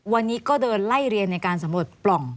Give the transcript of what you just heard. วันนี้ก็เดินไล่เรียนในการสำรวจปล่อง